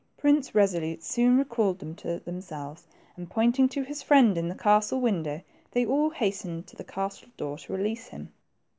Prince Kesolute soon recalled them to themselves, and pointing to his friend in the castle window, they all hastened to the castle door to release him.